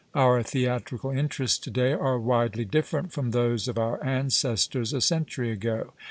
Our theatrical interests to day are widely different from those of our ancestors a century ago.